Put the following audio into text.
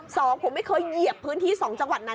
สองผมไม่เคยเหยียบพื้นที่สองจังหวัดนั้น